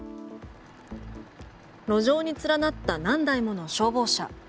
路上に連なった何台もの消防車。